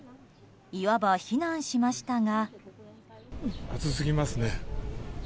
いわば避難しましたが。